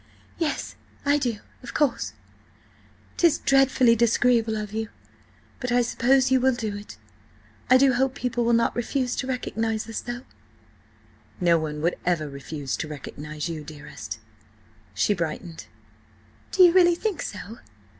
"Yes, I do, of course–'tis dreadfully disagreeable of you, but I suppose you will do it. I do hope people will not refuse to recognise us, though." "No one would ever refuse to recognise you, dearest." She brightened. "Do you really think so?